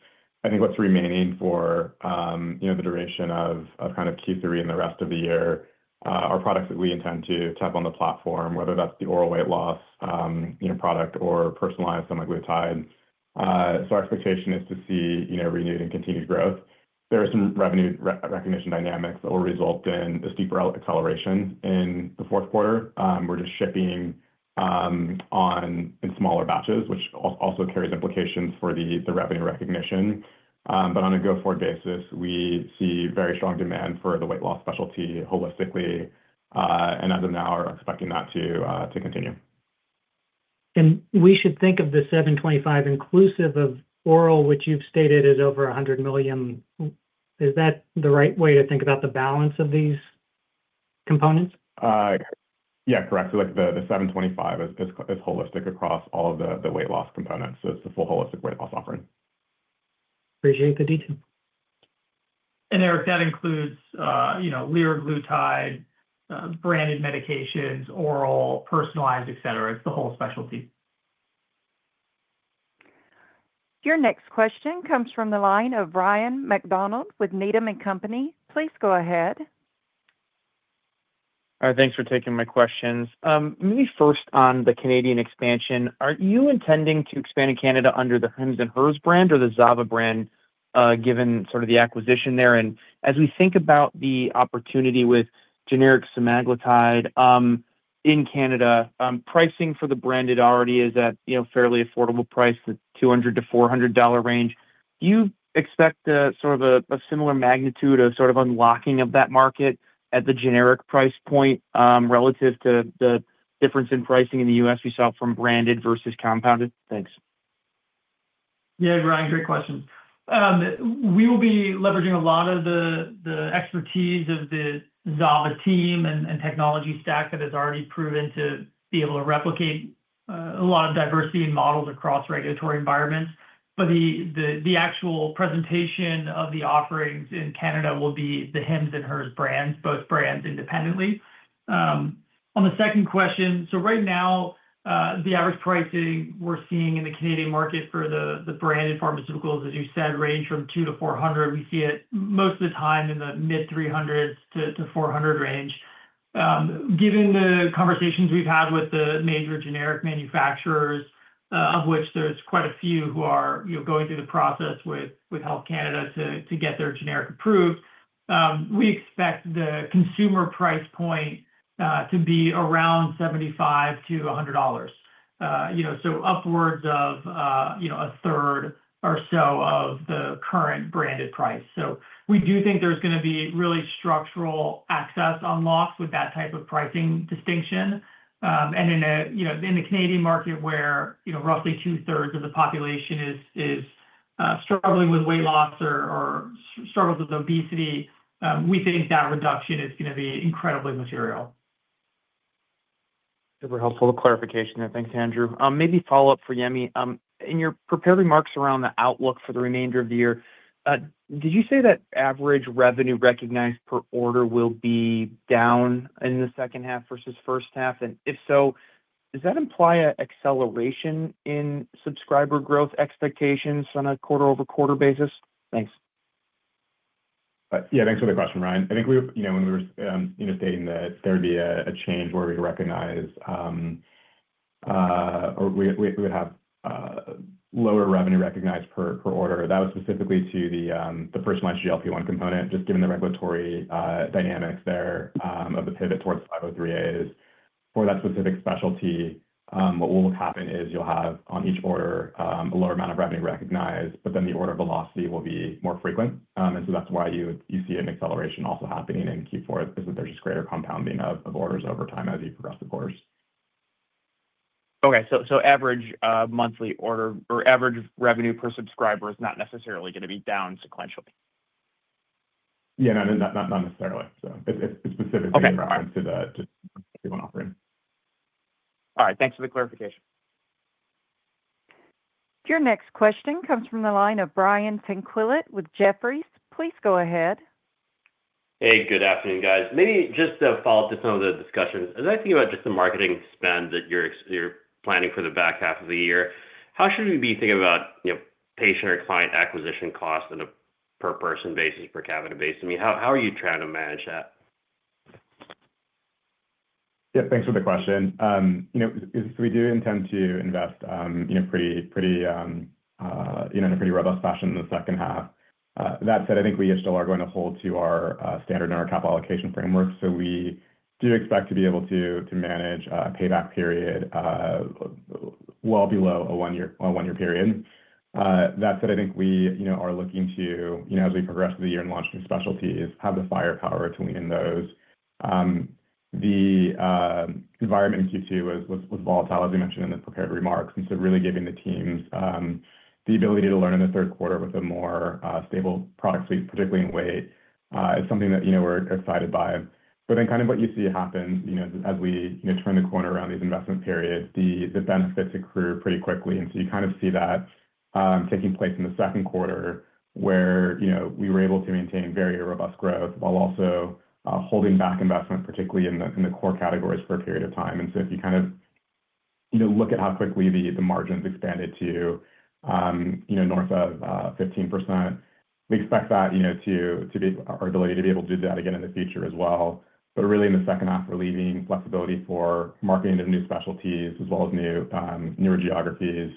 I think what's remaining for, you know, the duration of of kind of q three and the rest of the year, are products that we intend to tap on the platform, whether that's the oral weight loss, you know, product or personalized, some like Glutide. So our expectation is to see, you know, renewed and continued growth. There are some revenue recognition dynamics that will result in a steeper acceleration in the fourth quarter. We're just shipping on in smaller batches, which also carries implications for the revenue recognition. But on a go forward basis, we see very strong demand for the weight loss specialty holistically, and as of now are expecting that to continue. And we should think of the $7.25 inclusive of oral, which you've stated is over a 100,000,000. Is that the right way to think about the balance of these components? Yeah. Correct. So, like, the the $7.20 five is is is holistic across all of the the weight loss components. So it's the full holistic weight loss offering. Appreciate the detail. And, Eric, that includes, you know, liraglutide, branded medications, oral, personalized, etcetera. It's the whole specialty. Your next question comes from the line of Ryan MacDonald with Needham and Company. Please go ahead. Thanks for taking my questions. Maybe first on the Canadian expansion. Are you intending to expand in Canada under the HEMS and HERZ brand or the Zava brand given sort of the acquisition there? And as we think about the opportunity with generic semaglutide in Canada, pricing for the branded already is at fairly affordable price, the $200 to $400 range. Do you expect sort of a similar magnitude of sort of unlocking of that market at the generic price point relative to the difference in pricing in The U. S. We saw from branded versus compounded? Yes, Ryan, great question. We will be leveraging a lot of the expertise of the Zava team and and technology stack that has already proven to be able to replicate a lot of diversity in models across regulatory environments. But the the the actual presentation of the offerings in Canada will be the hims and hers brands, both brands independently. On the second question, so right now, the average pricing we're seeing in the Canadian market for the branded pharmaceuticals, as you said, range from 200 to 400. We see it most of the time in the mid-300s to 400 range. Given the conversations we've had with the major generic manufacturers, of which there's quite a few who are going through the process with Health Canada to get their generic approved, we expect the consumer price point to be around $75 to $100 so upwards of onethree or so of the current branded price. So we do think there's gonna be really structural access on lots with that type of pricing distinction. And in a you know, in the Canadian market where, you know, roughly two thirds of the population is is struggling with weight loss or struggles with obesity, we think that reduction is going to be incredibly material. Super helpful clarification there. Thanks, Andrew. Maybe a follow-up for Yemi. In your prepared remarks around the outlook for the remainder of the year, did you say that average revenue recognized per order will be down in the second half versus first half? And if so, does that imply an acceleration in subscriber growth expectations on a quarter over quarter basis? Thanks. Yes. Thanks for the question, Ryan. I think we were when we were stating that there would be a change where we recognize or we we we would have lower revenue recognized per per order. That was specifically to the, the personalized GLP one component, just given the regulatory, dynamics there, of the pivot towards 05/2003 a's. For that specific specialty. What will happen is you'll have on each order, a lower amount of revenue recognized, but then the order velocity will be more frequent. And so that's why you you see an acceleration also happening in q four because there's just greater compounding of of orders over time as you progress the course. Okay. So so average, monthly order or average revenue per subscriber is not necessarily gonna be down sequentially? Yeah. No. Not not necessarily. So it's it's specifically in regards to the to the one offering. All right. Thanks for the clarification. Your next question comes from the line of Brian Tanquilut with Jefferies. Please go ahead. Hey, good afternoon, guys. Maybe just a follow-up to some of the discussions. As I think about just the marketing spend that you're you're planning for the back half of the year, how should we be thinking about, you know, patient or client acquisition cost on a per person basis, per capita basis? I mean, how how are you trying to manage that? Yep. Thanks for the question. You know, we do intend to invest, you know, pretty pretty, you know, in a pretty robust fashion in the second half. That said, think we still are going to hold to our, standard on our capital allocation framework. So we do expect to be able to to manage a payback period, well below a one year a one year period. That said, I think we, you know, are looking to, you know, as we progress through the year and launch new specialties, have the firepower between those. The environment in q two was was was volatile, as we mentioned in the prepared remarks, and so really giving the teams the ability to learn in the third quarter with a more stable product suite, particularly in weight. It's something that, you know, we're excited by. But then kind of what you see happen, you know, as we, you know, turn the corner around these investment periods, the the benefits accrue pretty quickly. And so you kind of see that taking place in the second quarter where, you know, we were able to maintain very robust growth while also, holding back investment particularly in the in the core categories for a period of time. And so if you kind of, you know, look at how quickly the the margins expanded to, you know, north of, 15%, we expect that, you know, to to be our ability to be able to do that again in the future as well. But really in the second half, we're leaving flexibility for marketing of new specialties as well as new, newer geographies,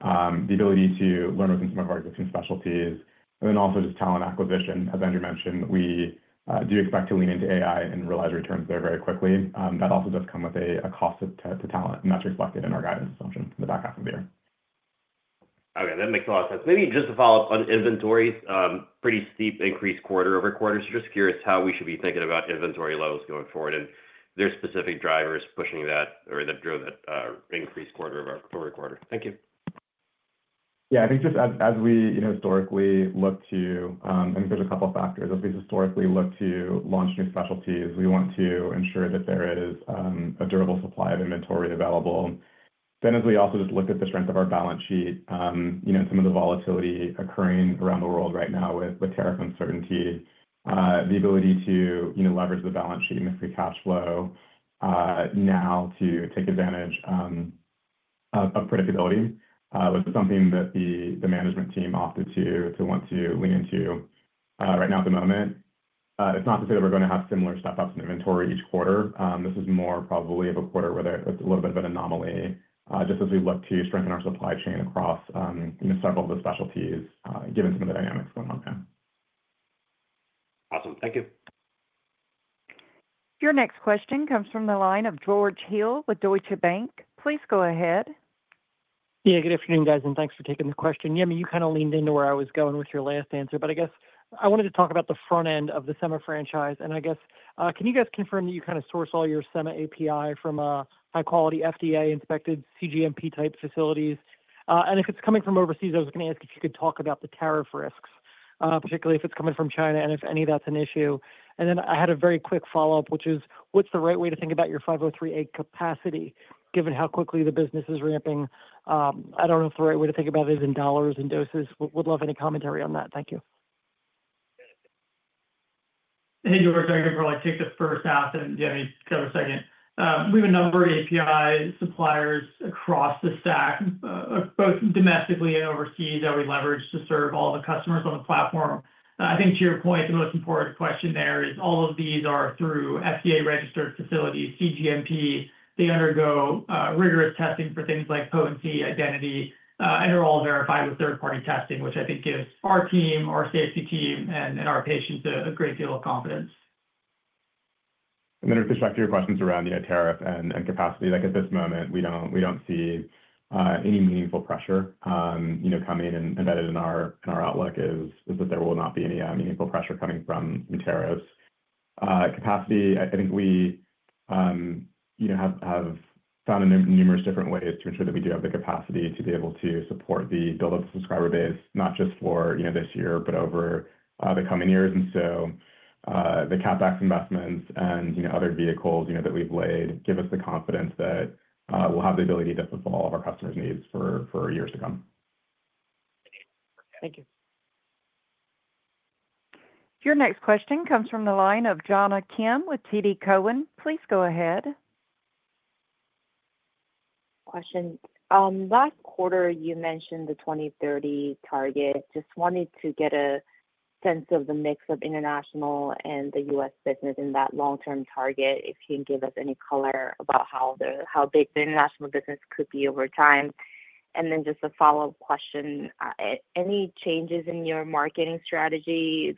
the ability to learn within some of our existing specialties, and also just talent acquisition. As Andrew mentioned, we, do expect to lean into AI and realize returns there very quickly. That also does come with a cost of to talent, and that's reflected in our guidance assumption in the back half of the year. Okay. That makes a lot of sense. Maybe just a follow-up on inventory. Pretty steep increase quarter over quarter. So just curious how we should be thinking about inventory levels going forward and their specific drivers pushing that or that drove that, increased quarter over quarter. Thank you. Yeah. I think just as as we, you know, historically look to, I think there's a couple of factors. As we historically look to launch new specialties, we want to ensure that there is, a durable supply of inventory available. Then as we also just look at the strength of our balance sheet, you know, some of the volatility occurring around the world right now with the tariff uncertainty, the ability to, you know, leverage the balance sheet and the free cash flow, now to take advantage predictability. This is something that the the management team opted to to want to lean into right now at the moment. It's not to say we're gonna have similar step ups in inventory each quarter. This is more probably of a quarter where there it's a little bit of an anomaly just as we look to strengthen our supply chain across several of the specialties given some of the dynamics going on. Thank you. Your next question comes from the line of George Hill with Deutsche Bank. Please go ahead. Yes. Good afternoon, guys, and thanks for taking the question. Yemi, you kind of leaned into where I was going with your last answer. But I guess I wanted to talk about the front end of the SEMA franchise. And I guess, you guys confirm that you kind of source all your SEMA API from high quality FDA inspected cGMP type facilities? And if it's coming from overseas, was going to ask if you could talk about the tariff risks, particularly if it's coming from China and if any of that's an issue. And then I had a very quick follow-up, which is what's the right way to think about your 503A capacity given how quickly the business is ramping? I don't know if the right way to think about it is in dollars and doses. Would love any commentary on that. You. Hey, George. I can probably take the first half and then let me go to the second. We have a number of API suppliers across the stack, both domestically and overseas that we leverage to serve all the customers on the platform. I think to your point, the most important question there is all of these are through FDA registered facilities, CGMP. They undergo rigorous testing for things like potency, identity, and they're all verified with third party testing, which I think gives our team, our safety team, and our patients a great deal of confidence. And then with respect to your questions around the tariff and capacity, like at this moment, we don't see any meaningful pressure coming. And that is in our outlook is that there will not be any meaningful pressure coming from tariffs. Capacity, I think we you know, have have found numerous different ways to ensure that we do have the capacity to be able to support the build up subscriber base, not just for, you know, this year, but over, the coming years. And so, the CapEx investments and, you know, other vehicles, you know, that we've laid give us the confidence that we'll have the ability to fulfill all of our customers' needs for years to come. Thank you. Your next question comes from the line of Jonah Kim with TD Cowen. Please go ahead. Question. Last quarter, you mentioned the 2,030 target. Just wanted to get a sense of the mix of international and The U. S. Business in that long term target, if you can give us any color about how big the international business could be over time? And then just a follow-up question. Any changes in your marketing strategy?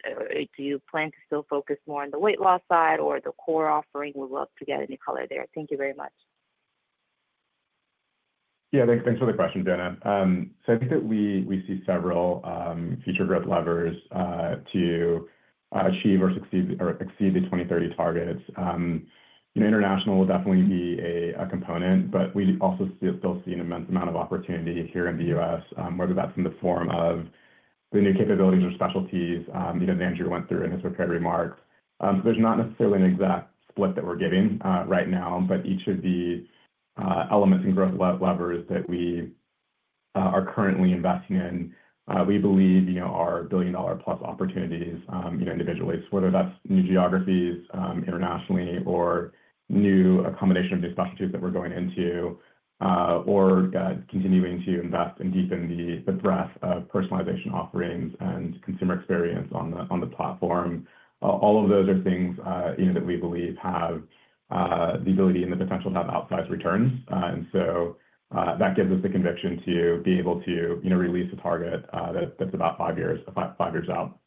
Do you plan to still focus more on the weight loss side or the core offering? We'd love to get any color there. Yeah. Thanks. Thanks for the question, Jenna. So I think that we we see several, future growth levers, to achieve or succeed or exceed the twenty thirty targets. International will definitely be a a component, but we also still see an immense amount of opportunity here in The US, whether that's in the form of the new capabilities or specialties, you know, that Andrew went through in his prepared remarks. There's not necessarily an exact split that we're getting right now, but each of the elements and growth levers that we are currently investing in, we believe, you know, our billion dollar plus opportunities, you know, individually, whether that's new geographies, internationally or new accommodation of the specialties that we're going into, or continuing to invest and deepen the the breadth of personalization offerings and consumer experience on the on the platform. All of those are things, you know, that we believe have, the ability and the potential to have outsized returns. And so, that gives us the conviction to be able to, you know, release a target, that that's about five years five years out.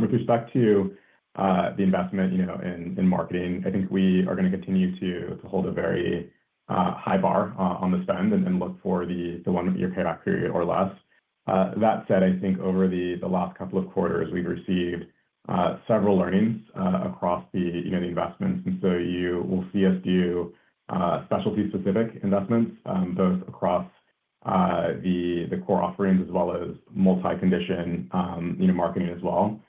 With respect to the investment, you know, in in marketing, I think we are gonna continue to to hold a very high bar on the spend and then look for the the one year payback period or less. That said, I think over the the last couple of quarters, we've received several learnings across the, you know, the investments. And so you will see us do specialty specific investments, both across the the core offerings as well as multi condition, you know, marketing as well.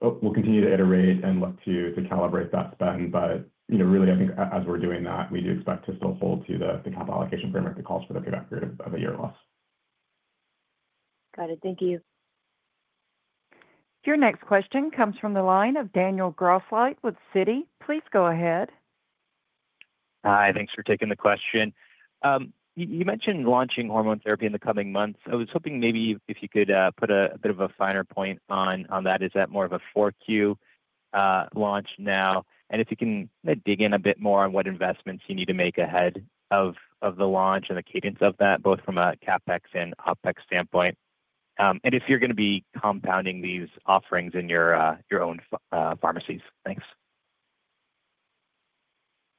We'll continue to iterate and look to to calibrate that spend, but, you know, really, I think as we're doing that, we do expect to still hold to the capital allocation framework that calls for the good afternoon of a year or less. Got it. Thank you. Your next question comes from the line of Daniel Grosslight with Citi. Please go ahead. Hi, thanks for taking the question. You mentioned launching hormone therapy in the coming months. I was hoping maybe if you could put a bit of a finer point on that. Is that more of a 4Q launch now? And if you can dig in a bit more on what investments you need to make ahead of the launch and the cadence of that, both from a CapEx and OpEx standpoint? And if you're going to be compounding these offerings in your own pharmacies? Thanks,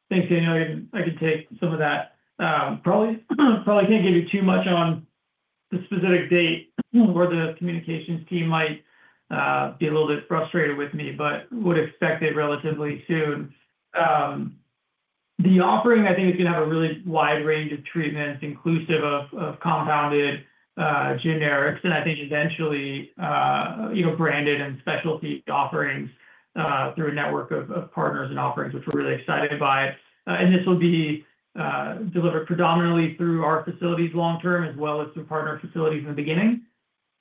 Daniel. I I can take some of that. Probably probably can't give you too much on the specific date where the communications team might be a little bit frustrated with me, but would expect it relatively soon. The offering, I think, is gonna have a really wide range of treatments inclusive of of compounded generics, and I think, eventually, you know, branded and specialty offerings through a network of partners and offerings, which we're really excited by. And this will be delivered predominantly through our facilities long term as well as through partner facilities in the beginning,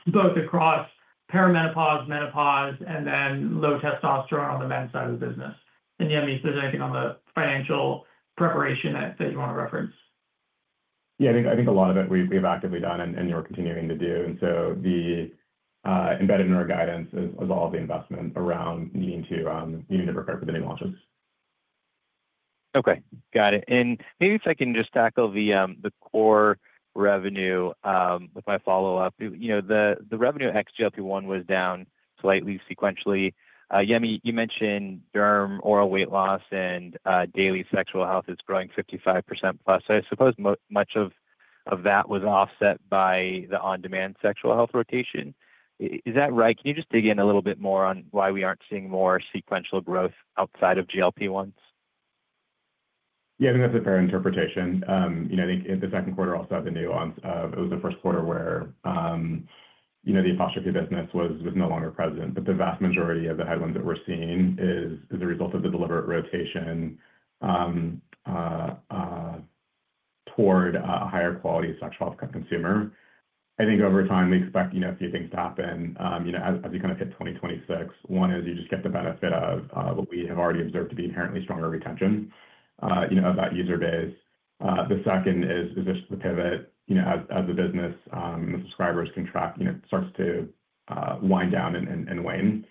both across perimenopause, menopause, and then low testosterone on the men's side of the business. And, Yemi, if there's anything on the financial preparation that that you wanna reference. Yeah. I think I think a lot of it we've we've actively done and and you're continuing to do. And so the embedded in our guidance is is all the investment around needing to, needing to prepare for the new launches. Okay. Got it. And maybe if I can just tackle the, the core revenue, with my follow-up. The revenue ex GLP-one was down slightly sequentially. Yemi, you mentioned derm, oral weight loss and daily sexual health is growing 55% plus. So I suppose much that was offset by the on demand sexual health rotation. Is that right? Can you just dig in a little bit more on why we aren't seeing more sequential growth outside of GLP-1s? Yes. Think that's a fair interpretation. I think in the second quarter, start the new of it was the first quarter where, you know, the apostrophe business was was no longer present, but the vast majority of the headwinds that we're seeing is is a result of the deliberate rotation toward a higher quality sexual health consumer. I think over time, we expect, you know, a few things to happen, you know, as as we kind of hit 2026. One is you just get the benefit of what we have already observed to be inherently stronger retention, you know, about user base. The second is is this the pivot, you know, as as the business, the subscribers contract, you know, starts to wind down and and and wane.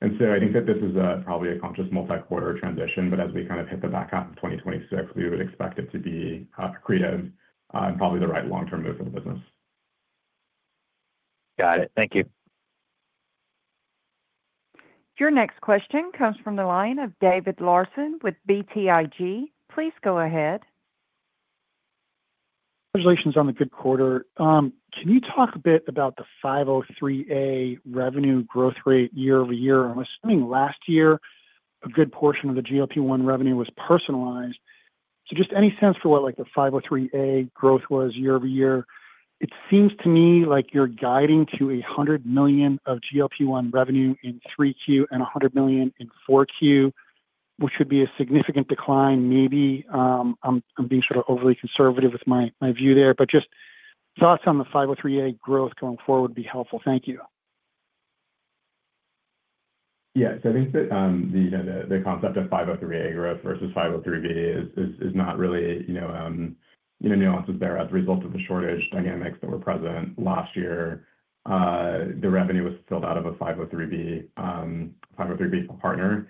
And so I think that this is probably a conscious multi quarter transition, but as we kind of hit the back 2026, we would expect it to be accretive and probably the right long term move for the business. Got it. Thank you. Your next question comes from the line of David Larson with BTIG. Please go ahead. Congratulations on the good quarter. Can you talk a bit about the 503A revenue growth rate year over year? I'm assuming last year, a good portion of the GLP-one revenue was personalized. So just any sense for what like the 503A growth was year over year? It seems to me like you're guiding to $100,000,000 of GLP-one revenue in 3Q and $100,000,000 in 4Q, which should be a significant decline maybe. I'm being sort of overly conservative with my view there. But just thoughts on the 503A growth going forward would be helpful. Yeah. So I think that, the the the concept of five zero three a growth versus five zero three b is is is not really, you know, you know, nuances there as a result of the shortage dynamics that were present last year. The revenue was filled out of a five zero three b five zero three b partner.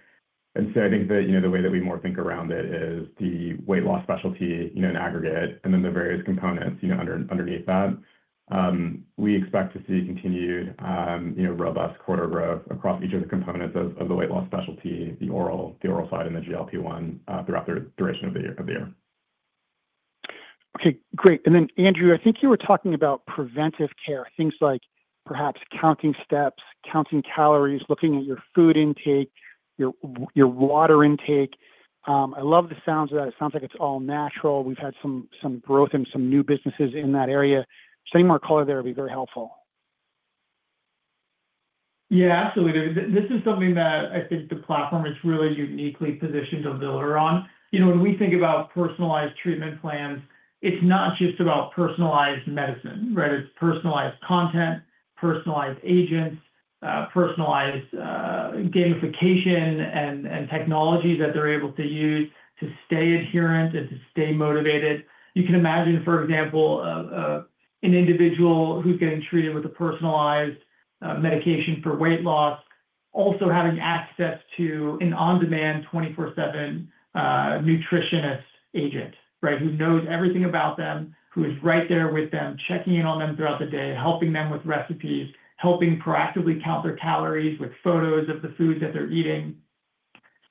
And so I think that, you know, the way that we more think around it is the weight loss specialty, you know, in aggregate and then the various components, you know, under underneath that. We expect to see continued, you know, robust quarter growth across each of the components of of the weight loss specialty, the oral the oral side, and the GLP one, throughout the duration of the year of the year. Okay. Great. And then, Andrew, I think you were talking about preventive care, things like perhaps counting steps, counting calories, looking at your food intake, your your water intake. I love the sounds of that. It sounds like it's all natural. We've had some some growth in some new businesses in that area. Any more color there would be very helpful. Yeah. Absolutely. This is something that I think the platform is really uniquely positioned to build around. You know, when we think about personalized treatment plans, it's not just about personalized medicine. Right? It's personalized content, personalized agents, personalized gamification, and and technology that they're able to use to stay adherent and to stay motivated. You can imagine, for example, an individual who's getting treated with a personalized medication for weight loss, also having access to an on demand twenty four seven nutritionist agent, right, who knows everything about them, who is right there with them, checking in on them throughout the day, helping them with recipes, helping proactively count their calories with photos of the foods that they're eating.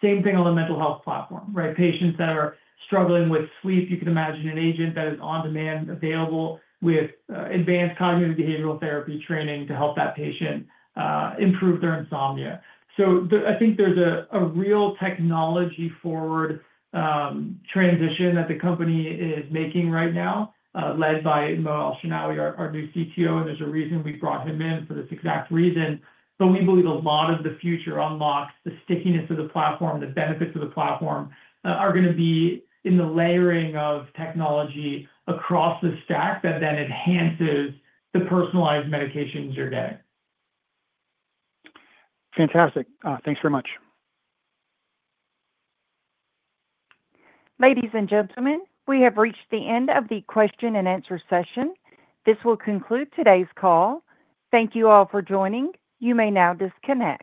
Same thing on the mental health platform. Right? Patients that are struggling with sleep, you can imagine an agent that is on demand available with advanced cognitive behavioral therapy training to help that patient improve their insomnia. So the I think there's a a real technology forward transition that the company is making right now led by Moel Shanaway, our our new CTO, and there's a reason we brought him in for this exact reason. So we believe a lot of the future unlocks, the stickiness of the platform, the benefits of the platform, are gonna be in the layering of technology across the stack that then enhances the personalized medications your day. Fantastic. Thanks very much. Ladies and gentlemen, we have reached the end of the question and answer session. This will conclude today's call. Thank you all for joining. You may now disconnect.